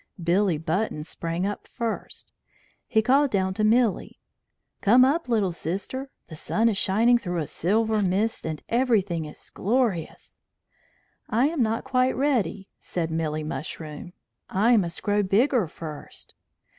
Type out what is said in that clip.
Billy Button sprang up first. He called down to Milly: "Come up, little sister. The sun is shining through a silver mist and everything is glorious." "I am not quite ready," said Milly Mushroom. "I must grow bigger first."